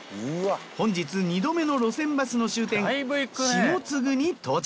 本日２度目の路線バスの終点下津具に到着。